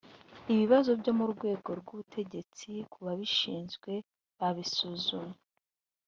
ibibazo byo mu rwego rw’ubutegetsi ku babishinzwe babisuzumye